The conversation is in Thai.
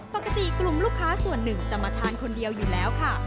ปกติกลุ่มลูกค้าส่วนหนึ่งจะมาทานคนเดียวอยู่แล้วค่ะ